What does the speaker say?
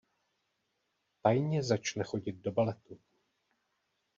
Tajně začne chodit do baletu.